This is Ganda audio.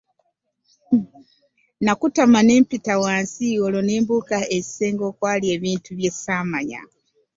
Nakutama ne mpita wansi olwo ne mbuuka ekisenge okwali ebintu bye saamanya.